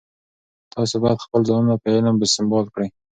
تاسو باید خپل ځانونه په علم سمبال کړئ.